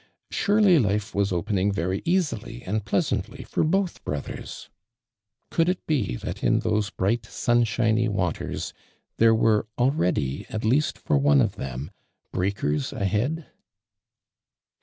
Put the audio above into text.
Surely life was opening very easily and pleasantly for both brothers ! Coulil it be that in those bright sunshiny waters there were alieady, at least for one of them, "breakers ahead?"